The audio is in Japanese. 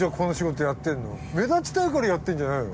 目立ちたいからやってんじゃないの？